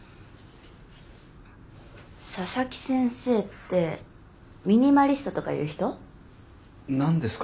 佐々木先生ってミニマリストとかいう人？なんですか？